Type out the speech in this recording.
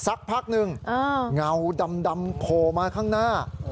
สักพักหนึ่งเงาดำโผล่มาข้างหน้า